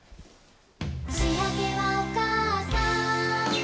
「しあげはおかあさん」